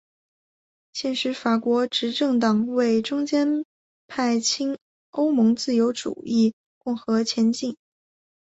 现时法国执政党为中间派亲欧盟自由主义共和前进！